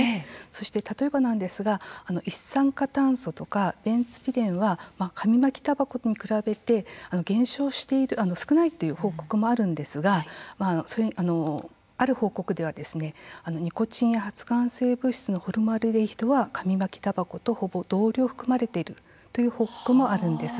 そして例えばなんですが一酸化炭素とかベンツピレンは紙巻きたばこに比べて減少している少ないという報告もあるんですがある報告ではニコチンや、発がん性物質のホルムアルデヒドは紙巻きたばことほぼ同量含まれているという報告もあるんです。